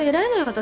私。